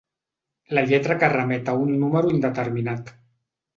La lletra que remet a un número indeterminat.